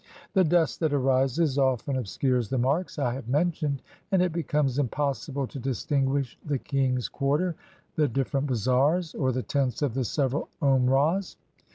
The dust that arises often obscures the marks I have mentioned, and it becomes impossible to distinguish the king's quarter, the different bazaars, or the tents of the several Omrahs.